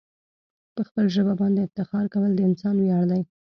په خپل ژبه باندي افتخار کول د انسان ویاړ دی.